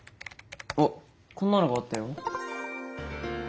あっこんなのがあったよ。